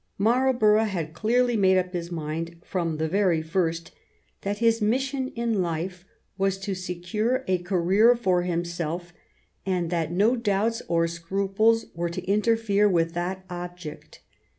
Marlborough had clearly made up his mind, from the very first, that his mission in life was to se cure a career for himself, and that no doubts or scruples 61 THE REIGN OP QUEEN ANNE were to interfere with that object.